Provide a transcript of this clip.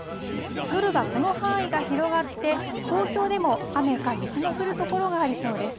夜はこの範囲が広がって、東京でも雨か雪の降る所がありそうです。